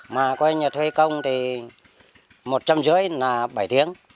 mà coi nhà thuê công thì một trăm năm mươi là bảy tiếng